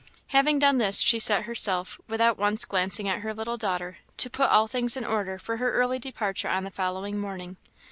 Having done this, she set herself, without once glancing at her little daughter, to put all things in order for her early departure on the following morning.